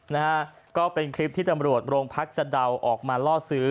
นะฮะก็เป็นคลิปที่ตำรวจโรงพักสะดาวออกมาล่อซื้อ